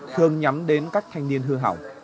thường nhắm đến các thanh niên hư hỏng